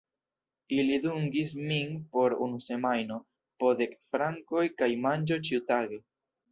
Ili dungis min por unu semajno, po dek frankoj kaj manĝo ĉiutage.